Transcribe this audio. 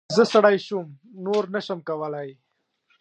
زه ستړی شوم ، نور نه شم کولی !